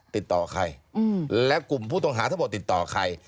ติดต่อใครและกลุ่มผู้ต้องหาทั้งหมดติดต่อใคร